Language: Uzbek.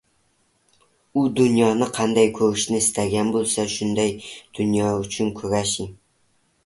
U dunyoni qanday ko‘rishni istagan bo‘lsa, shunday dunyo uchun kurashing!